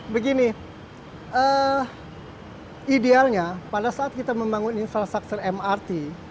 begini idealnya pada saat kita membangun infrastruktur mrt